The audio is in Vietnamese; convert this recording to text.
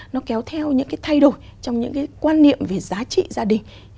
nó kéo theo những cái thay đổi trong những cái quan niệm về giá trị gia đình